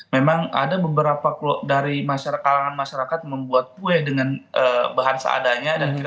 memang ada beberapa dari kalangan masyarakat membuat kue dengan bahan seadanya dan kaya seperti itu